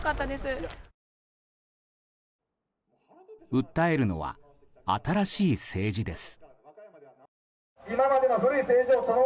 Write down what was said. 訴えるのは新しい政治です。